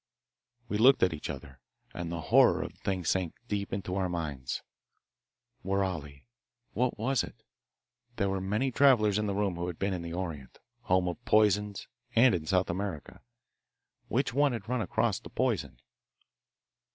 We looked at each other, and the horror of the thing sank deep into our minds. Woorali. What was it? There were many travellers in the room who had been in the Orient, home of poisons, and in South America. Which one had run across the poison?